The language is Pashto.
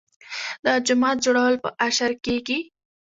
د جومات جوړول په اشر کیږي.